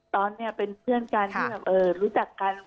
ตอนนี้เป็นเพื่อนกันรู้จักกัน